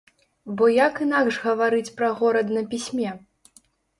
Бо як інакш гаварыць пра горад на пісьме?